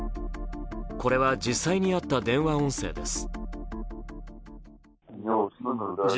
これは実際にあった電話音声です。